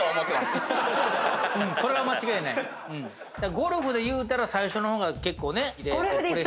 ゴルフで言うたら最初の方が結構ね。